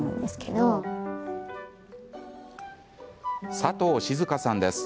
佐藤静香さんです。